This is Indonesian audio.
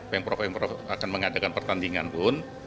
peng pro peng pro akan mengadakan pertandingan pun